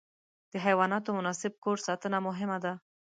د حیواناتو مناسب کور ساتنه مهمه ده.